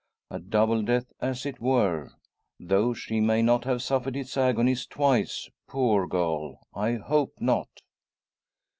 A double death as it were; though she may not have suffered its agonies twice. Poor girl! I hope not."